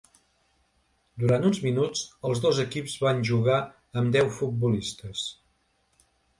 Durant uns minuts els dos equips van jugar amb deu futbolistes.